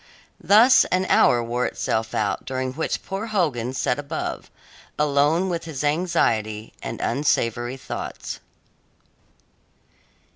Thus an hour wore itself out during which poor Hogan sat above, alone with his anxiety and unsavoury thoughts.